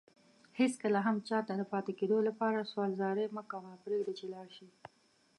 هيڅ کله هم چاته دپاتي کيدو لپاره سوال زاری مکوه پريږده چي لاړشي